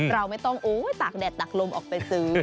เราไม่ต้องตากแดดตักลมออกไปซื้อ